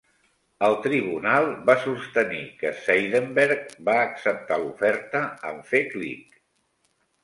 El tribunal va sostenir que Zeidenberg va acceptar l'oferta en fer clic.